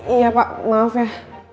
iya pak maaf ya